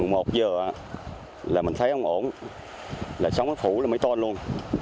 một giờ là mình thấy không ổn là sóng nó phủ là mấy ton luôn